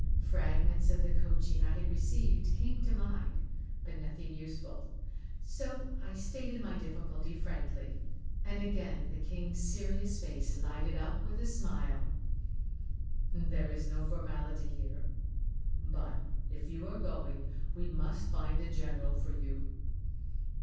Fragments of the coaching I had received came to my mind, but nothing useful; so I stated my difficulty frankly, and again the King's serious face lighted up with a smile. "There is no formality here; but if you are going we must find the general for you."